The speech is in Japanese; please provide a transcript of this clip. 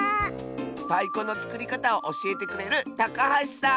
たいこのつくりかたをおしえてくれるたかはしさん！